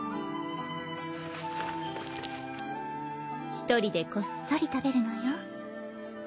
１人でこっそり食べるのよ。